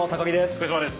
福島です。